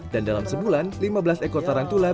dan dalam sebulan lima belas ekor tarantula